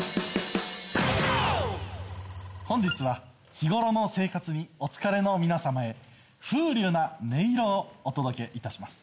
本日は日頃の生活にお疲れの皆様へ風流な音色をお届けいたします。